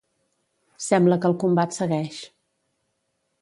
Sembla que el combat segueix.